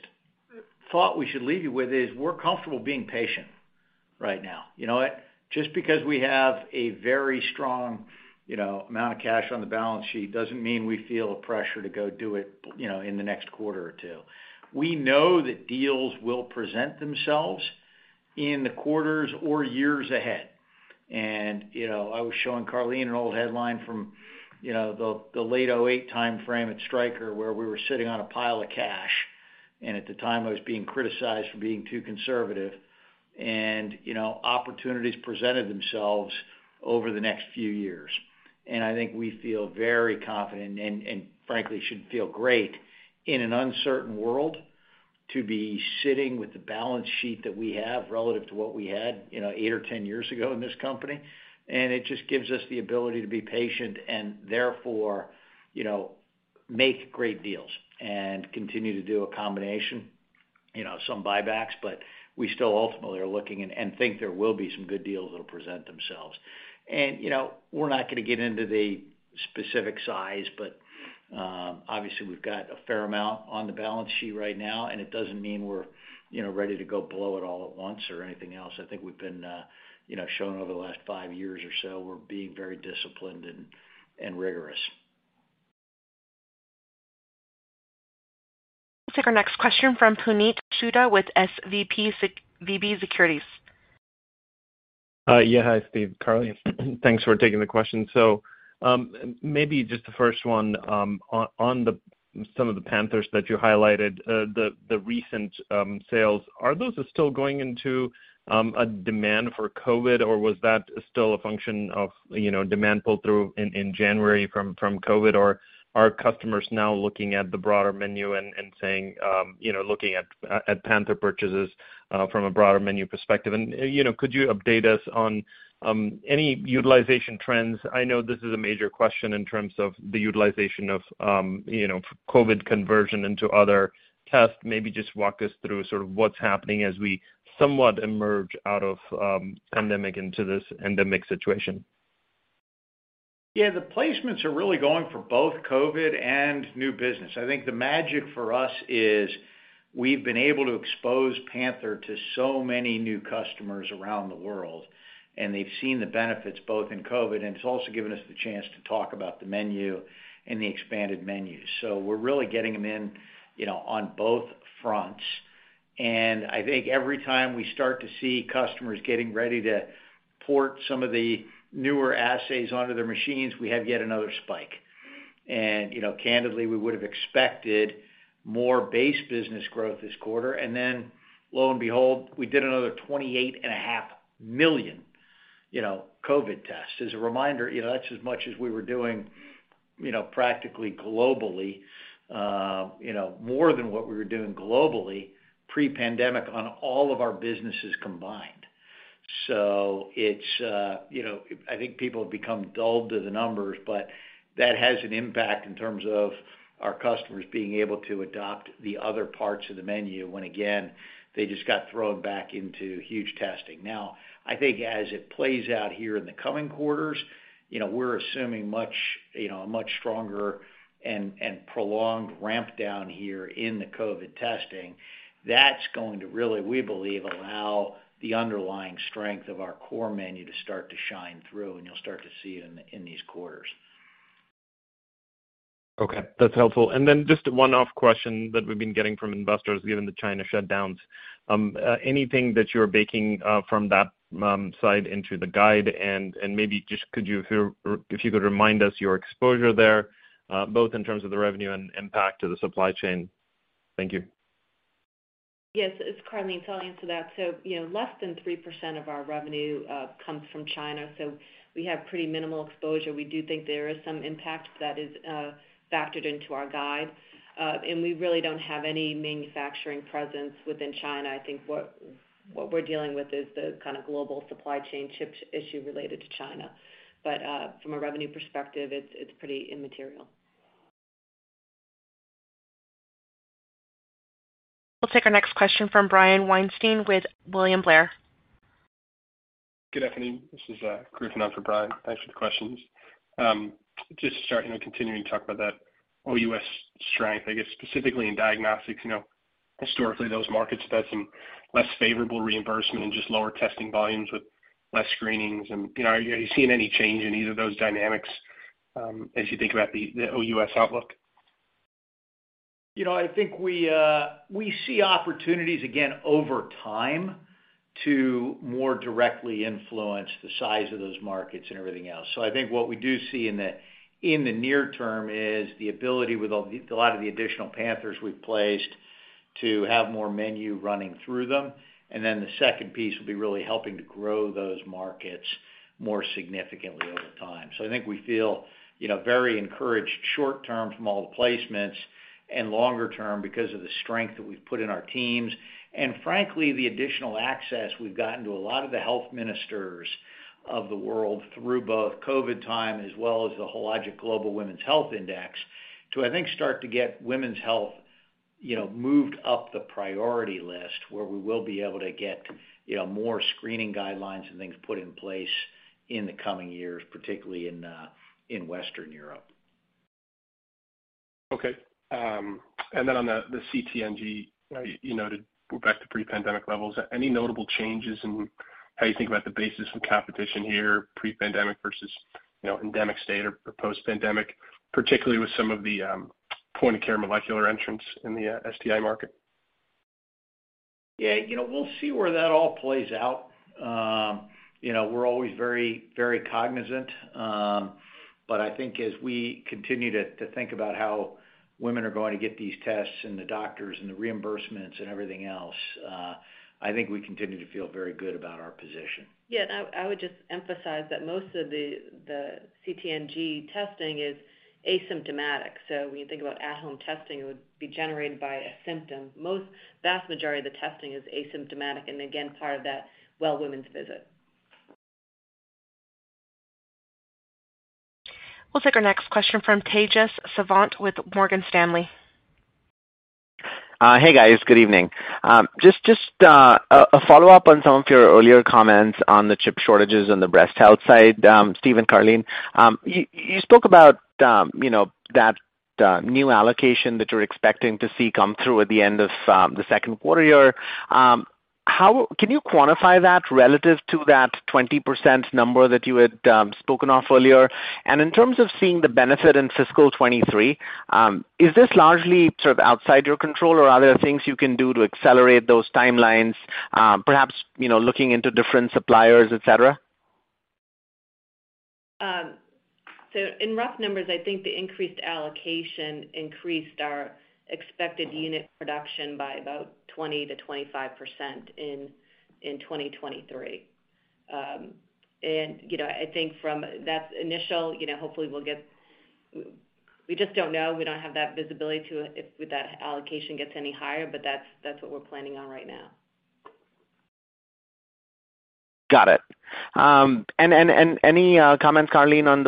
thought we should leave you with is we're comfortable being patient right now. You know what? Just because we have a very strong, you know, amount of cash on the balance sheet doesn't mean we feel a pressure to go do it, you know, in the next quarter or two. We know that deals will present themselves in the quarters or years ahead. You know, I was showing Karleen an old headline from, you know, the late 2008 timeframe at Stryker, where we were sitting on a pile of cash, and at the time, I was being criticized for being too conservative. You know, opportunities presented themselves over the next few years. I think we feel very confident and frankly should feel great in an uncertain world to be sitting with the balance sheet that we have relative to what we had, you know, 8 or 10 years ago in this company. It just gives us the ability to be patient and therefore, you know, make great deals and continue to do a combination, you know, some buybacks. But we still ultimately are looking and think there will be some good deals that'll present themselves. You know, we're not going to get into the specific size, but we've got a fair amount on the balance sheet right now, and it doesn't mean we're, you know, ready to go blow it all at once or anything else. I think we've been, you know, shown over the last five years or so we're being very disciplined and rigorous. We'll take our next question from Puneet Souda with SVB Securities. Yeah. Hi, Steve, Karleen. Thanks for taking the question. Maybe just the first one, on some of the Panthers that you highlighted, the recent sales. Are those still going into a demand for COVID, or was that still a function of, you know, demand pull-through in January from COVID? Or are customers now looking at the broader menu and saying, you know, looking at Panther purchases from a broader menu perspective? You know, could you update us on any utilization trends? I know this is a major question in terms of the utilization of, you know, COVID conversion into other tests. Maybe just walk us through sort of what's happening as we somewhat emerge out of pandemic into this endemic situation. Yeah. The placements are really going for both COVID and new business. I think the magic for us is we've been able to expose Panther to so many new customers around the world, and they've seen the benefits both in COVID, and it's also given us the chance to talk about the menu and the expanded menu. We're really getting them in, you know, on both fronts. I think every time we start to see customers getting ready to port some of the newer assays onto their machines, we have yet another spike. You know, candidly, we would have expected more base business growth this quarter, and then lo and behold, we did another 28.5 million, you know, COVID tests. As a reminder, you know, that's as much as we were doing, you know, practically globally, you know, more than what we were doing globally pre-pandemic on all of our businesses combined. It's, you know, I think people have become dulled to the numbers, but that has an impact in terms of our customers being able to adopt the other parts of the menu when again, they just got thrown back into huge testing. Now, I think as it plays out here in the coming quarters, you know, we're assuming a much stronger and prolonged ramp down here in the COVID testing. That's going to really, we believe, allow the underlying strength of our core menu to start to shine through, and you'll start to see it in these quarters. Okay, that's helpful. Just one-off question that we've been getting from investors given the China shutdowns. Anything that you're baking from that side into the guide? Maybe just could you if you could remind us your exposure there, both in terms of the revenue and impact to the supply chain. Thank you. Yes. It's Karleen Oberton. I'll answer that. You know, less than 3% of our revenue comes from China, so we have pretty minimal exposure. We do think there is some impact that is factored into our guide. We really don't have any manufacturing presence within China. I think what we're dealing with is the kind of global supply chain chip issue related to China. From a revenue perspective, it's pretty immaterial. We'll take our next question from Brian Weinstein with William Blair. Good afternoon. This is Griffin on for Brian. Thanks for the questions. Just to start, you know, continuing to talk about that OUS strength, I guess specifically in diagnostics. You know, historically, those markets have had some less favorable reimbursement and just lower testing volumes with less screenings. You know, are you seeing any change in either of those dynamics, as you think about the OUS outlook? You know, I think we see opportunities again over time to more directly influence the size of those markets and everything else. I think what we do see in the near term is the ability with a lot of the additional Panthers we've placed to have more menu running through them. Then the second piece will be really helping to grow those markets more significantly over time. I think we feel, you know, very encouraged short term from all the placements and longer term because of the strength that we've put in our teams. Frankly, the additional access we've gotten to a lot of the health ministers of the world through both COVID time as well as the Hologic Global Women's Health Index to, I think, start to get women's health, you know, moved up the priority list where we will be able to get, you know, more screening guidelines and things put in place in the coming years, particularly in Western Europe. Okay. On the CT/NG, you know, to go back to pre-pandemic levels. Any notable changes in how you think about the basis of competition here pre-pandemic versus, you know, endemic state or post-pandemic, particularly with some of the point-of-care molecular entrants in the STI market? Yeah. You know, we'll see where that all plays out. You know, we're always very, very cognizant. I think as we continue to think about how women are going to get these tests and the doctors and the reimbursements and everything else, I think we continue to feel very good about our position. I would just emphasize that most of the CT/NG testing is asymptomatic. When you think about at-home testing, it would be generated by a symptom. Most vast majority of the testing is asymptomatic and again, part of that well women's visit. We'll take our next question from Tejas Savant with Morgan Stanley. Hey guys, good evening. Just a follow-up on some of your earlier comments on the chip shortages on the breast health side, Steve and Karleen. You spoke about, you know, that new allocation that you're expecting to see come through at the end of the second quarter here. How can you quantify that relative to that 20% number that you had spoken of earlier? In terms of seeing the benefit in fiscal 2023, is this largely sort of outside your control, or are there things you can do to accelerate those timelines, perhaps, you know, looking into different suppliers, et cetera? In rough numbers, I think the increased allocation increased our expected unit production by about 20-25% in 2023. You know, I think from that initial, you know, hopefully we'll get. We just don't know. We don't have that visibility to if that allocation gets any higher, but that's what we're planning on right now. Got it. Any comments, Karleen, on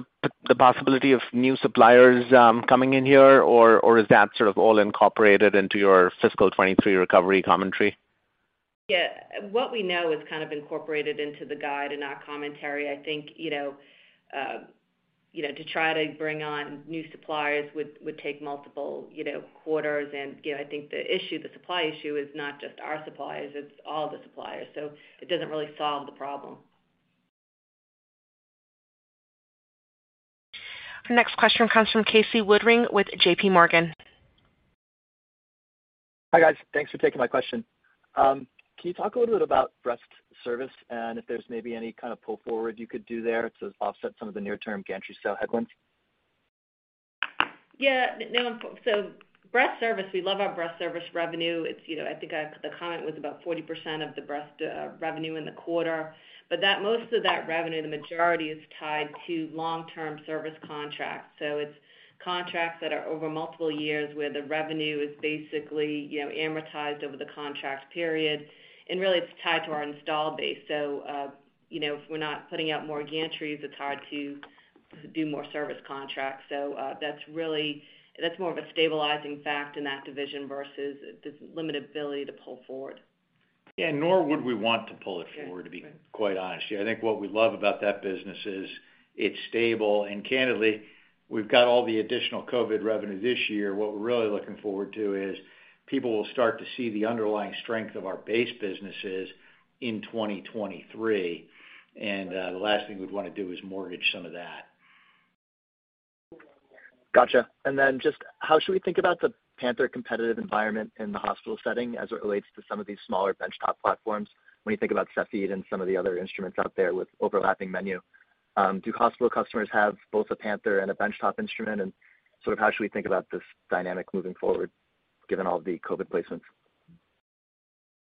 the possibility of new suppliers coming in here, or is that sort of all incorporated into your fiscal 2023 recovery commentary? Yeah. What we know is kind of incorporated into the guide and our commentary. I think, you know, you know, to try to bring on new suppliers would take multiple, you know, quarters. You know, I think the issue, the supply issue is not just our suppliers, it's all the suppliers. It doesn't really solve the problem. Our next question comes from Casey Woodring with J.P. Morgan. Hi, guys. Thanks for taking my question. Can you talk a little bit about breast service and if there's maybe any kind of pull forward you could do there to offset some of the near-term gantry sale headwinds? Yeah. Breast service, we love our breast service revenue. It's, you know, the comment was about 40% of the breast revenue in the quarter. But most of that revenue, the majority is tied to long-term service contracts. It's contracts that are over multiple years where the revenue is basically, you know, amortized over the contract period. Really, it's tied to our install base. You know, if we're not putting out more gantries, it's hard to do more service contracts. That's really more of a stabilizing fact in that division versus this limited ability to pull forward. Yeah. Nor would we want to pull it forward, to be quite honest. Yeah, I think what we love about that business is it's stable. Candidly, we've got all the additional COVID revenue this year. What we're really looking forward to is people will start to see the underlying strength of our base businesses in 2023. The last thing we'd want to do is mortgage some of that. Gotcha. Just how should we think about the Panther competitive environment in the hospital setting as it relates to some of these smaller benchtop platforms when you think about Cepheid and some of the other instruments out there with overlapping menu? Do hospital customers have both a Panther and a benchtop instrument? Sort of how should we think about this dynamic moving forward given all the COVID placements?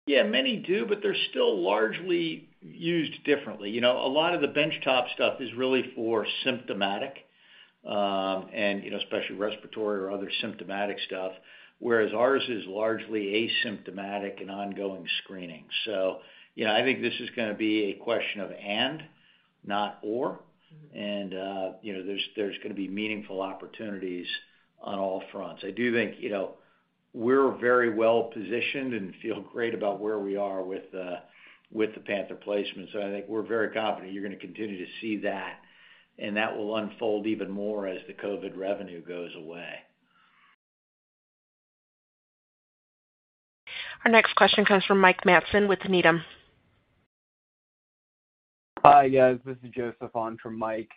Yeah, many do, but they're still largely used differently. You know, a lot of the benchtop stuff is really for symptomatic, you know, especially respiratory or other symptomatic stuff, whereas ours is largely asymptomatic and ongoing screening. You know, I think this is gonna be a question of and, not or. You know, there's gonna be meaningful opportunities on all fronts. I do think, you know, we're very well positioned and feel great about where we are with the Panther placement. I think we're very confident you're gonna continue to see that, and that will unfold even more as the COVID revenue goes away. Our next question comes from Mike Matson with Needham. Hi, guys. This is Joseph calling from Mike.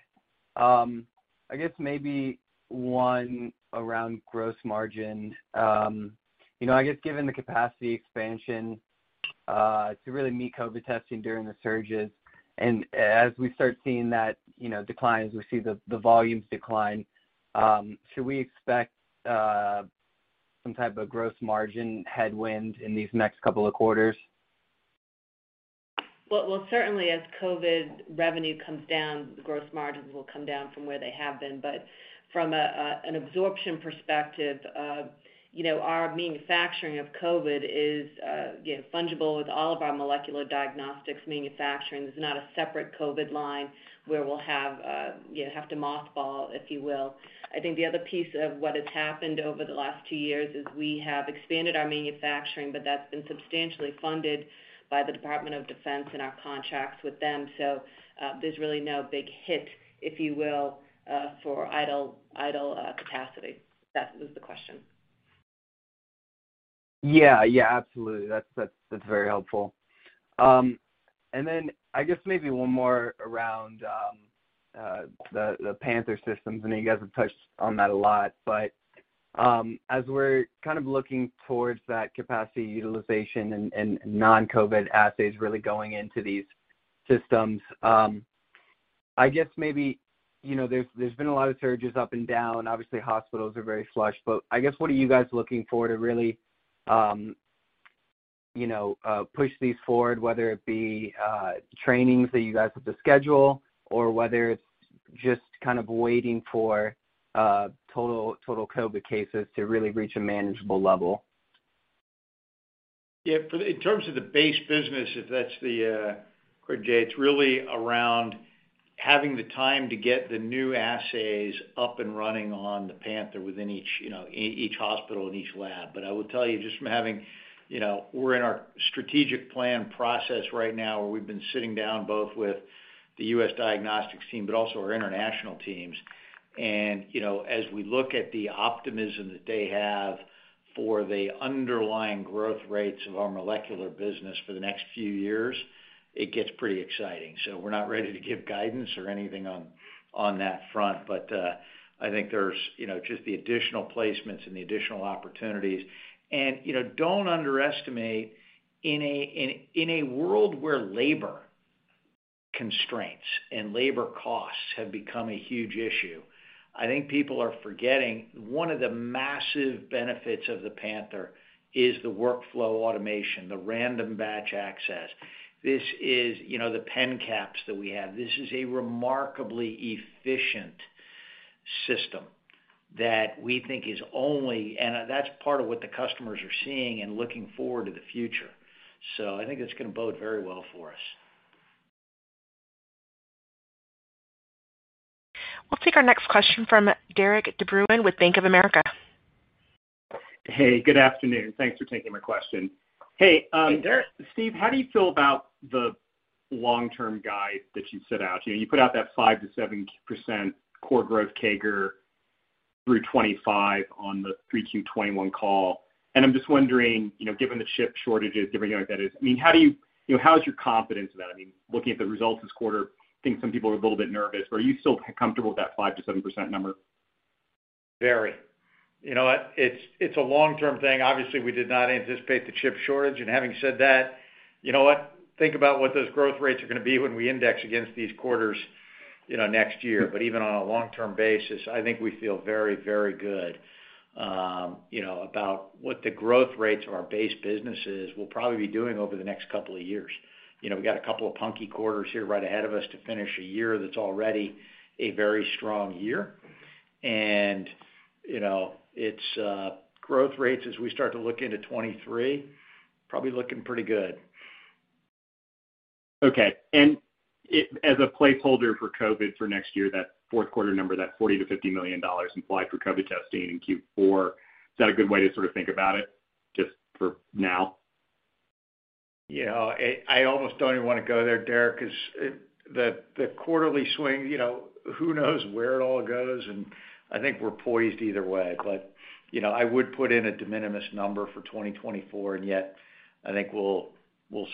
I guess maybe one around gross margin. You know, I guess given the capacity expansion to really meet COVID testing during the surges, and as we start seeing that, you know, the declines, we see the volumes decline. Should we expect some type of gross margin headwind in these next couple of quarters? Well, certainly as COVID revenue comes down, the gross margins will come down from where they have been. From an absorption perspective, you know, our manufacturing of COVID is, you know, fungible with all of our Molecular Diagnostics manufacturing. There's not a separate COVID line where we'll have, you know, to mothball, if you will. I think the other piece of what has happened over the last two years is we have expanded our manufacturing, but that's been substantially funded by the Department of Defense and our contracts with them. There's really no big hit, if you will, for idle capacity. If that was the question. Yeah. Yeah, absolutely. That's very helpful. I guess maybe one more around the Panther systems. I know you guys have touched on that a lot, but as we're kind of looking towards that capacity utilization and non-COVID assays really going into these systems, I guess maybe, you know, there's been a lot of surges up and down. Obviously, hospitals are very flushed. I guess what are you guys looking for to really, you know, push these forward, whether it be trainings that you guys have to schedule or whether it's just kind of waiting for total COVID cases to really reach a manageable level? In terms of the base business, if that's the crux of it's really around having the time to get the new assays up and running on the Panther within each, you know, each hospital and each lab. I will tell you just from having, you know, we're in our strategic plan process right now, where we've been sitting down both with the U.S. diagnostics team, but also our international teams. As we look at the optimism that they have for the underlying growth rates of our Molecular business for the next few years, it gets pretty exciting. We're not ready to give guidance or anything on that front. I think there's, you know, just the additional placements and the additional opportunities. You know, don't underestimate in a world where labor constraints and labor costs have become a huge issue. I think people are forgetting one of the massive benefits of the Panther is the workflow automation, the random batch access. This is, you know, the benchmarks that we have. This is a remarkably efficient system that we think is only and that's part of what the customers are seeing and looking forward to the future. I think it's gonna bode very well for us. We'll take our next question from Derik de Bruin with Bank of America. Hey, good afternoon. Thanks for taking my question. Hey, Hey, Derik. Steve, how do you feel about the long-term guide that you've set out? You know, you put out that 5%-7% core growth CAGR through 2025 on the 3Q 2021 call. I'm just wondering, you know, given the chip shortages, given, you know, like that is, I mean, you know, how is your confidence in that? I mean, looking at the results this quarter, I think some people are a little bit nervous. Are you still comfortable with that 5%-7% number? Very. You know what? It's a long-term thing. Obviously, we did not anticipate the chip shortage. Having said that, you know what? Think about what those growth rates are gonna be when we index against these quarters, you know, next year. Even on a long-term basis, I think we feel very, very good, you know, about what the growth rates of our base businesses will probably be doing over the next couple of years. You know, we've got a couple of punky quarters here right ahead of us to finish a year that's already a very strong year. You know, it's growth rates as we start to look into 2023, probably looking pretty good. Okay. As a placeholder for COVID for next year, that fourth quarter number, that $40 million-$50 million inflow for COVID testing in Q4, is that a good way to sort of think about it just for now? You know, I almost don't even wanna go there, Derik, 'cause the quarterly swing, you know, who knows where it all goes, and I think we're poised either way. You know, I would put in a de minimis number for 2024, and yet I think we'll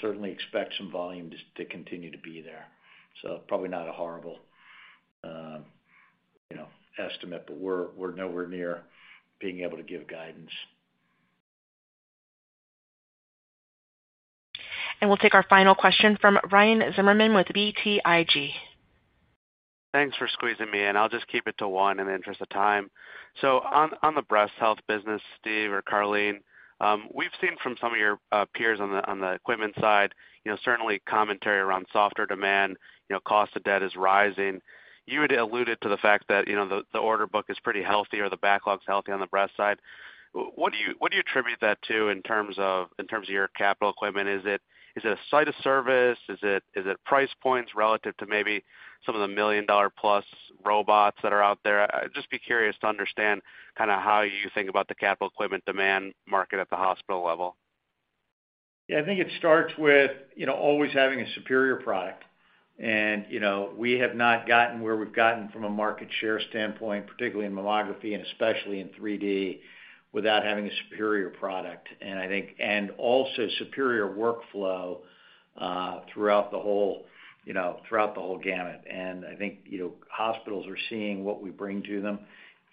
certainly expect some volume just to continue to be there. Probably not a horrible, you know, estimate, but we're nowhere near being able to give guidance. We'll take our final question from Ryan Zimmerman with BTIG. Thanks for squeezing me in. I'll just keep it to one in the interest of time. On the breast health business, Steve or Karleen, we've seen from some of your peers on the equipment side, you know, certainly commentary around softer demand, you know, cost of debt is rising. You had alluded to the fact that, you know, the order book is pretty healthy or the backlog's healthy on the breast side. What do you attribute that to in terms of your capital equipment? Is it a site of service? Is it price points relative to maybe some of the million-dollar-plus robots that are out there? I'd just be curious to understand kinda how you think about the capital equipment demand market at the hospital level. Yeah. I think it starts with, you know, always having a superior product. You know, we have not gotten where we've gotten from a market share standpoint, particularly in mammography and especially in 3D, without having a superior product. I think and also superior workflow throughout the whole, you know, throughout the whole gamut. I think, you know, hospitals are seeing what we bring to them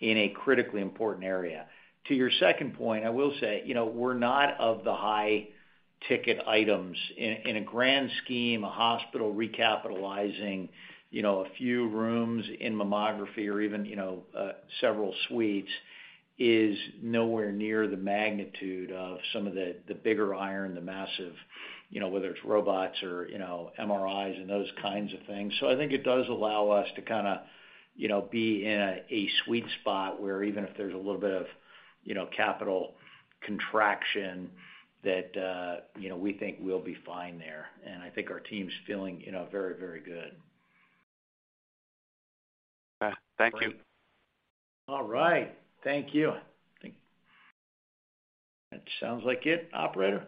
in a critically important area. To your second point, I will say, you know, we're not one of the high-ticket items. In a grand scheme, a hospital recapitalizing, you know, a few rooms in mammography or even, you know, several suites is nowhere near the magnitude of some of the bigger iron, the massive, you know, whether it's robots or, you know, MRIs and those kinds of things. I think it does allow us to kinda, you know, be in a sweet spot, where even if there's a little bit of, you know, capital contraction that, you know, we think we'll be fine there. I think our team's feeling, you know, very, very good. Okay. Thank you. All right. Thank you. That sounds like it, operator.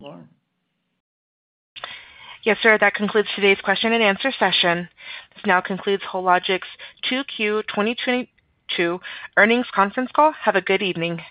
Lauren? Yes, sir. That concludes today's question and answer session. This now concludes Hologic's 2Q 2022 earnings conference call. Have a good evening.